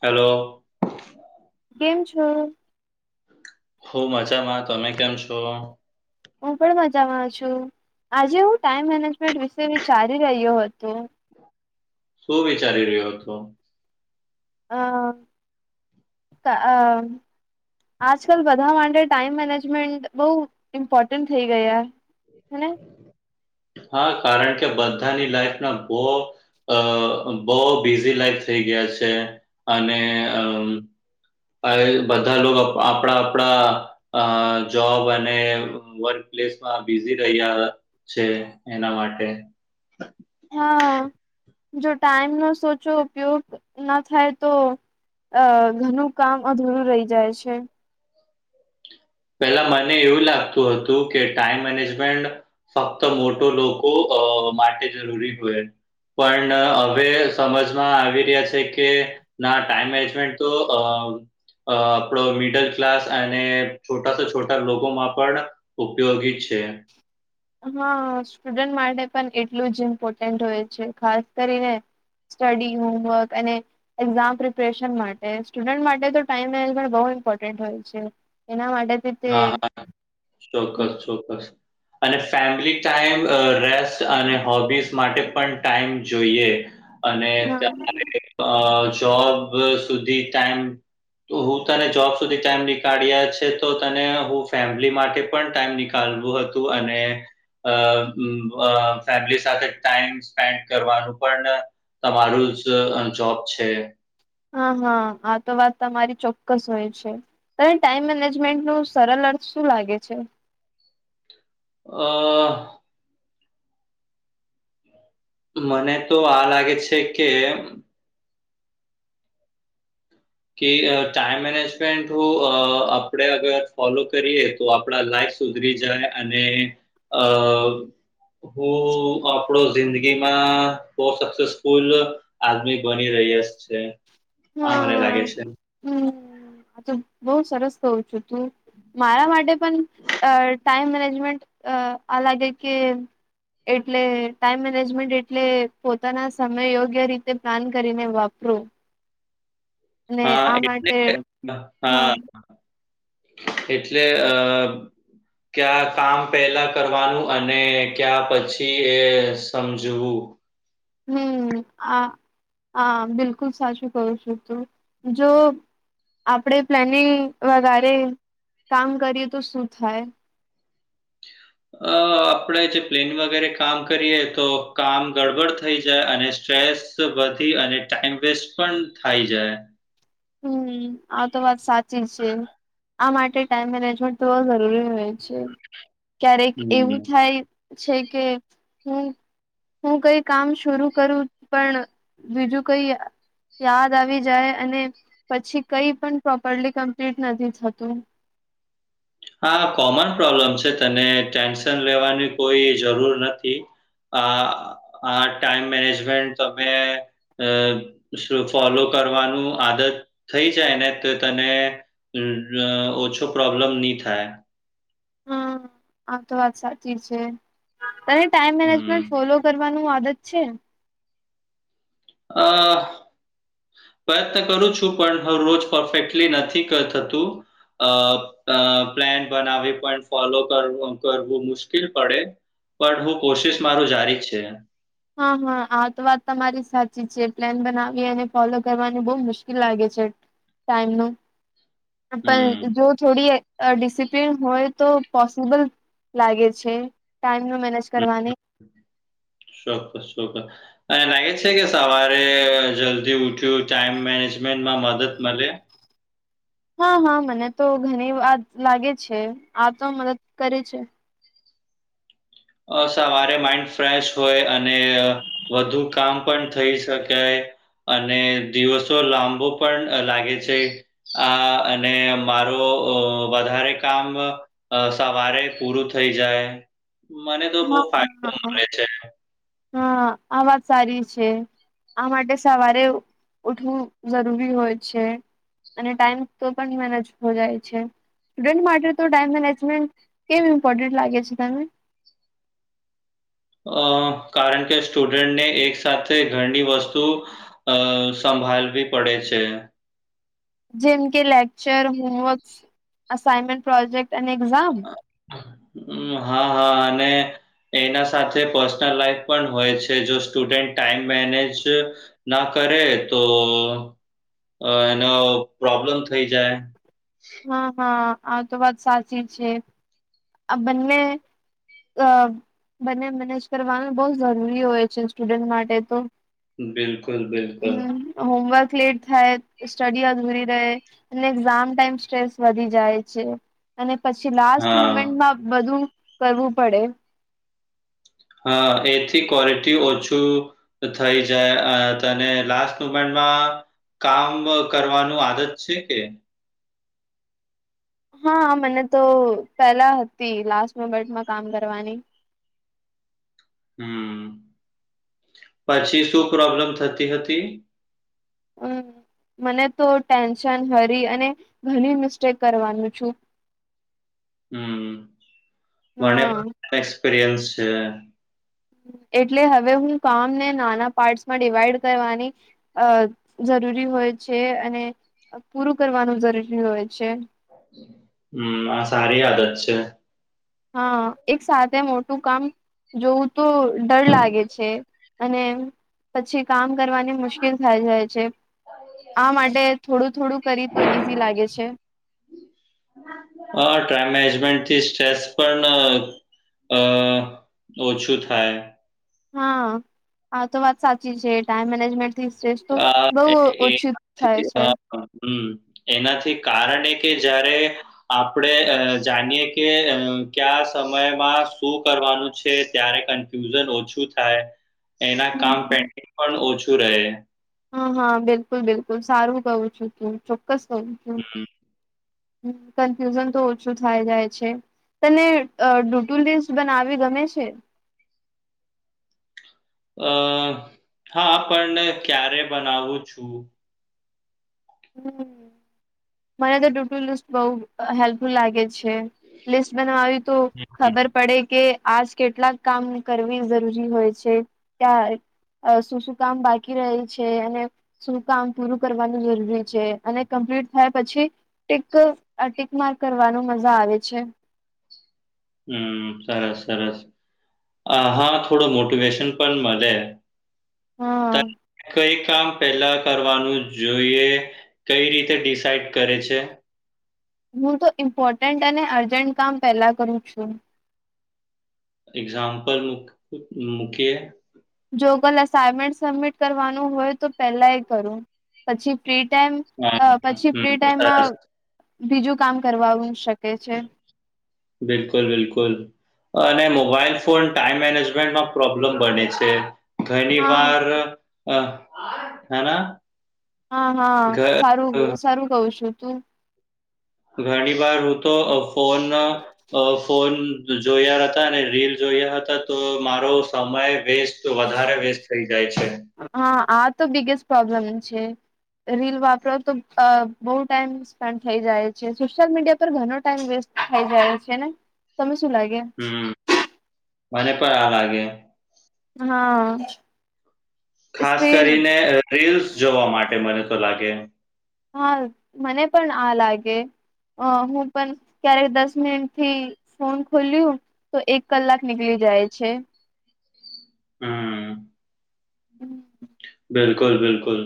હાલો. કેમ છો? હું મજામાં. તમે કેમ છો? હું પણ મજામાં છું. આજે હું ટાઈમ મેનેજમેન્ટ વિશે વિચારી રહ્યો હતો. શું વિચારી રીયો અતો? અ.. તઅ. આજકાલ બધા માટે ટાઈમ મેનેજમેન્ટ બઉ ઇમ્પોર્ટન્ટ થઇ ગયા. હે ને. હા, કારણ કે બધાની લાઈફના બો અ બો બિઝી લાઈફ થઈ ગયા છે અને અમ્મ આઈ વીલ બધા લોક આપડણા આપડણા અ જોબ અને વર્ક પ્લેસમાં બિઝી રહ્યા. છે એના માટે. હા, જો ટાઈમ નો સોચો ઉપયોગ ના થાય તો અ ઘનું કામ અધૂરું રહી જાય છે. પેલા મને એવું લાગતું હતું, કે ટાઈમ મેનેજમેન્ટ ફક્ત મોટો લોકો અ માટે જરૂરી હોય. પણ અવે સમજમાં આવી રીયા છે કે ના ટાઈમ મેજમેન્ટ તો, અ અ આપડો મિડલ ક્લાસ અને છોટા સ છોટા લોકોમાં પણ ઉપયોગી જ છે. હ સ્ટુડન્ટ માટે પણ એટલું જ ઇમ્પોર્ટન્ટ ઓય છે, ખાસ કરીને સ્ટડી, હોમવર્ક અને એક્ઝામ પ્રિપરેશન માટે સ્ટુડન્ટ માટે તો ટાઈમ મેનેજમેન્ટ બો ઇમ્પોર્ટન્ટ હોય છે. એના માટેે હા હા ચોક્કસ ચોક્કસ અને ફેમિલી ટાઈમ રેસ્ટ અને હોબીસ માટે પણ ટાઈમ જોઈએ અને હા ત્યારે અ જોબ સુધી ટાઈમ હું તને જોબ સુધી ટાઈમ નીકાળ્યા છે. તો તને હું ફેમિલી માટે પણ ટાઈમ નીકાલવું હતું અને અ અ ફેમિલી સાથે ટાઈમ સ્પેન્ડ કરવાનું પણ તમારું જ જોબ છે. હ હ આ તો વાત તમારી ચોક્કસ હોય છે. તને ટાઈમ મેનેજમેન્ટનું સરલ અર્થ શું લાગે છે? અ મને તો આ લાગે છે, કે કે અ ટાઈમ મેનેજમેન્ટ હું અ આપણેે અગર ફોલો કરીએ તો આપણા લાઈફ સુધરી જાય અને અ હું આપણો જિંદગીમાં બો સક્સેસફુલ આદમી બની રહીય છે. આ હા મને હા લાગે છે હમ આ તો બો સરસ કઉ છું તું મારા માટે પણ અ ટાઈમ મેનેજમેન્ટ અ આ લાગે કે એટલે ટાઈમ મેનેજમેન્ટ એટલે પોતાના સમય યોગ્ય રીતે પ્લાન કરીને વાપરો હા એટલે માટે હા એટલે અ ક્યા કામ પહેલા કરવાનું અને ક્યા પછી એ સમજવું હમ આ આ બિલકુલ સાચું કું છું તું જો આપણે પ્લાનિંગ વગારે કામ કરીએ તો શું થાય અ આપણે જે પ્લેન વગેરે કામ કરીએ તો કામ ગડબડ થઈ જાય અને સ્ટ્રેસ સ વધી અને ટાઈમ વેસ્ટ પણ થાય જાય હમ આતો વાત સાચી છે. આ માટે ટાઈમ મેનેજમેન્ટ તો જરૂરી હોય છે, ક્યારેક એવું હમ્મ. થાય છે, કે હમ હું કઈ કામ શુરૂ કરું પણ બીજું કઈ યાદ આવી જાય અને પછી કઈ પણ પ્રોપરલી કમ્પ્લીટ નથી થતું. હા કોમન પ્રોબ્લમ છે, તને ટેન્શન લેવાની કોઈ જરૂર નથી. આ આ ટાઈમ મેનેજમેન્ટ તમે અ ફોલો કરવાનું આદત થઈ જાય ને તો તને અ ઓછો પ્રોબ્લેમની થાય હા આતો વાત સાચી છે, તને ટાઈમ મેનેજમેન્ટ હમ્મ. ફોલો કરવાનું આદત છે. અ પ્રયત્ન કરું છું પણ હરરોજ પરફેક્ટલી નથી ક થતું અ અ પ્લેન બનાવી પણ ફોલો કરવું કરવુ મુશ્કિલ પડે પડ હું કોશિશ મારુ જારી છે. હા હા આ તો વાત તમારી સાચી જ છે, પ્લેન બનાવીએ અને ફોલો કરવાને બોવ મુશ્કિલ લાગે છે. ટાઈમ નુ હમ. પણ જો છોડીએ ડિસિપ્લિન હોય તો પોસિબલ લાગે છે ટાઈમન મેનેજ હમ. કરવાની. ચોક્કસ ચોક્કસ અને લાગે છે કે સવારે જલ્દી ઉ જો ટાઈમ મેનેજમેન્ટમાં મદદ મલે. હા હા મને તો ઘણી વાત લાગે છે આ તો મદદ કરે છે. અ સવારે માઈન્ડ ફ્રેશ હોય અને વધુ કામ પણ થઈ શકાય અને દિવસો લાંબો પણ લાગે છે. આ અને મારવો ઓ વધારે કામ અ સવર પૂરું થઈ જાય મને તો બહ હા ફાયદો હા મળે છે. હા આ વાત સારી છે. આ માટે સવારે ઉઠવું જરૂરી હોય છે. અને ટાઈમ તો પણ મેનેજ હો જાય છે. સ્ટુડન્ટ માટે તો ટાઈમ મેનેજમેન્ટ કેમ ઇમ્પોર્ટન્ટ લાગે છે? તને? અ કારણ કે સ્ટુડન્ટને એક સાથે ઘરની વસ્તુ અ સભાલવી પડે છે. જેમ કે લેક્ચર, હોમવર્ક, અસાઈમેન્ટ પ્રોજેક્ટ અને એક્ઝામ. હમ હા હા અને એના સાથે પર્સનલ લાઈફ પણ હોય છે જો સ્ટુડન્ટ ટાઈમ મેનેજ ના કરે તો એનો પ્રોબ્લમ થઈ જાય. હા હા આ તો વાત સાચી છે આ બંને ગ અ બને મેનેજ કરવાનું બોવ જરૂરી હોય છે સ્ટુડન્ટ માટે તો બિલકુલ બિલકુલ. હમ હોમવર્ક લેટ થાય, સ્ટડી અધૂરી રહે, અને એક્ઝામ ટાઈમ સ્ટ્રેસ વધી જાય છે અને પછી લાસ્ટ હા, મુમેન્ટમાં બધું કરવું પડે. હાશએથી કોરેટી ઓછું ત થઈ જાય તને લાસ્ટ મુમેન્ટમાં કામ કરવાનું આદત છે કે? હા મને તો પેલા હતી લાસ્ટ મુમેન્ટમાં કામ કરવાની. હમ, પછી શું પ્રોબ્લમ થતી હતી? હમ મને તો ટેન્શન હરી અને ઘણી મિસ્ટેક કરવાનું છું. હમ મને હા પણ એક્સપિરિયન્સ છે. એટલે હવે હું કામ ને નાના પાર્ટ માં ડિવાઈડ કરવાની અ જરૂરી હોય છે અને પૂરું કરવાનું જરીરી હોય છે. હમ આ સારી આદત છે. હા એક સાથે મોટું કામ જોવું તો ડર લાગે છે. અને પછી કામ કરવાની મુશ્કેલ થાય જાય છે. આ માટે થોડું થોડું કરી તો ઈઝી લાગે છે. હા ટાઈમ મેનેજમેન્ટથી સ્ટ્રેસ પણ અ ઓછું થાય. હા આ તો વાત સાચી છે ટાઈમ મેનેજમેન્ટ તો બહુ અ એ ઓછું થાય એનાથી છે. અ હમ એનાથી કારણ એ કે જયારે આપણે જાણીયે કે ક્યા સમયમાં શું કરવાનું છે ત્યારે ફ્યુઝન ઓછું થાય એના કામ હમ પેન્ડિંગ પણ ઓછું રહે. હા હા બિલકુલ બિલકુલ સારું કહું છું તું ચોક્કસ કહું છું. હમ કન્ફ્યુઝન તો ઓછું થાય જાય છે. તને અ ડુટુ લિસ્ટ બનાવી ગમે છે? અ હા પણ ક્યારે બનાવું છું હમ મને તો ડયુટુ લિસ્ટ બઉ હેલ્પફુલ લાગે છે. લિસ્ટ બનાવાયું તો હમ ખબર પડે કે આજ કેટલાક કામ કરવી જરૂરી હોય છે, ત્યાં આ શું શું કામ બાકી રહે છે, અને શું કામ પૂરું કરવાનું જરૂરી છે, અને કમ્પ્લીટ થાય પછી ટીક અ ટીક માર્ક કરવાનું મજા આવે છે. હમ સરસ સરસ હા થોડો મોટિવેેશન પણ મલે હા. કઈ કામ પેલા કરવાનું જોઈએ કઈ રીતે ડિસાઇડ કરે છે. હું તો ઇમ્પોર્ટન્ટ અને અર્જન્ટ કામ પેલા કરું છું એક્ઝામ્પલ મૂક મૂકીએ જો કોલ અસાઈનમેન્ટ સબમિટ કરવાનું હોય તો પેલા એ કરું પછી ફ્રી ટાઈમ હા, અ પછી ફ્રી હમ, ટાઈમમાં સરસ. બીજું કામ કરવાનું શકે છે. બિલકુલ બિલકુલ. અને મોબાઈલ ફોન ટાઈમ મેનેજમેન્ટમાં પ્રોબ્લેમ બને છે. ઘણી હા વાર અ હેન? હા હા સારું સારું કઉ છું તું ઘણી વાર રુતો ફોન અ ફોન જોયા હતા અને રીલ જોયા હતા તો મારો સમય વેસ તો વધારે વેસ્ટ થઈ જાય છે. હા આ તો બિગેસ્ટ પ્રોબ્લેમ છે. રીલ વાપરો તો અ બો ટાઈમ સ્પેન્ડ થઈ જાય છે, સોશિયલ મીડિયા પર ઘણ ટાઈમ વેસ થય જાય છે, ને તમે શું લા હમ મને પણ આ લાગે હા. ખાસ સ્ક્રીન કરીને રીલ્સ જોવા માટે મને તો લાગે હા મને પણ આ લાગે અ હું પણ ક્યારેક દસ મિનિટ થી ફોન ખોલ્યું તો એક કલાક નીકળી જાય છે. હમ. હમ. બિલકુલ બિલકુલ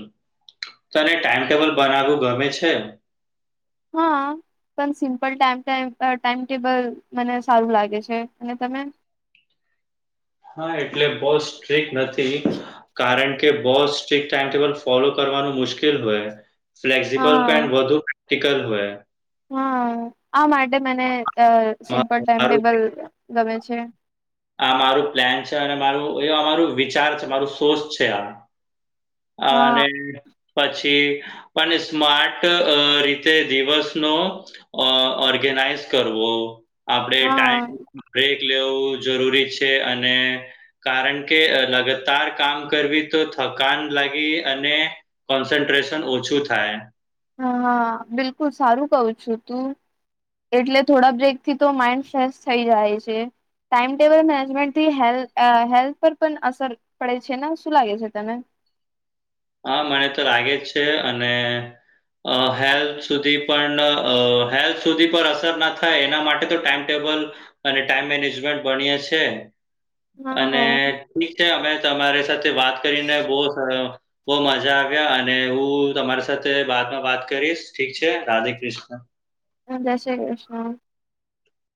તને ટાઈમ ટેબલ બનાવું ગમે છે? હા. પણ simple time time time table મને સારું લાગે છે, અને તમે? હ એટલે બો સ્ટ્રીક નથી કારણ કે બો સ્ટ્રીક્ટ ટાઈમ ટેબલ ફોલો કરવાનું મુશ્કેલ હોય ફ્લેક્સિબલ હા [unintelligible] વધુ ફિકર હોય હા આ માટે મને અ સિમ્પલ મારું ટાઈમટેબલ ગમે છે. આ મારું પ્લેન છે, અને મારું એમારું વિચાર છે, મારું સોસ છે, આ હા અને પછી પણ સ્માર્ટ અ રીતે દિવસનો અ ઓર્ગેનાઈઝ કરવો આપણેે હા ટાઈમ બ્રેક લેવું જરૂરી છે, અને કારણ કે લગતાર કામ કરવી તો થકાન લાગી અને કોન્સન્ટ્રેશન ઓછું થાય હ હા બિલકુલ સારું કવ છું તું એટલે થોડા બ્રેક થી તો માઈન્ડ ફ્રેશ થઈ જાય છે. ટાઈમ ટેબલ મેનેજમેન્ટથી હેલ અ હેલ્થ પર પણ અસર પડે છે, ને શું લાગે છે, તને હા મને તો લાગે જ છે, અને અ હેલ્થ સુધી પણ અ હેલ્થ સુધી પર અસર ના થાય એના માટે તો ટાઈમટેબલ અને ટાઈમ મેનેજમેન્ટ ભણીએ છે, અને હા ઠીક છે, અમે તમારી સાથે વાત કરીને બો સર બઉ મજા આવ્યા અને હું તમારી સાથે બાદમાં વાત કરીશ ઠીક છે, રાધે કૃષ્ણ જય શ્રી કૃષ્ણ.